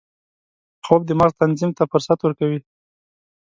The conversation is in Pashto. خوب د مغز تنظیم ته فرصت ورکوي